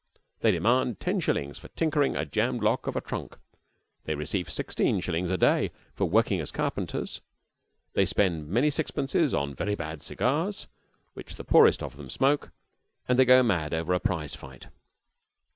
They demand ten shillings for tinkering a jammed lock of a trunk; they receive sixteen shillings a day for working as carpenters; they spend many sixpences on very bad cigars, which the poorest of them smoke, and they go mad over a prize fight.